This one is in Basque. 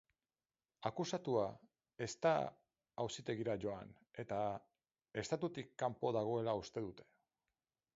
Akusatua ez da auzitegira joan eta estatutik kanpo dagoela uste dute.